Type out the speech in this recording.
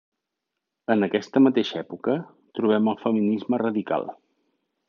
En aquesta mateixa època, trobem el feminisme radical.